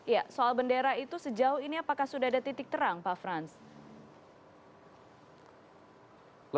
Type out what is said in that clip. ya soal bendera itu sejauh ini apakah sudah ada titik terang pak frans